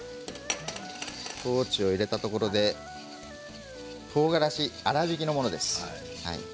トーチを入れたところでとうがらし、粗びきのものです。